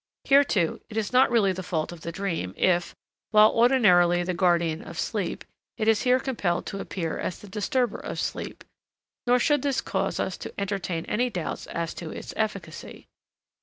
Here, too, it is not really the fault of the dream, if, while ordinarily the guardian of sleep, it is here compelled to appear as the disturber of sleep, nor should this cause us to entertain any doubts as to its efficacy.